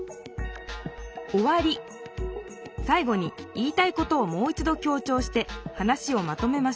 「おわり」さい後に言いたいことをもう一ど強ちょうして話をまとめましょう。